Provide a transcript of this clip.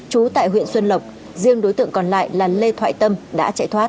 trú tại huyện xuân lộc riêng đối tượng còn lại là lê thoại tâm đã chạy thoát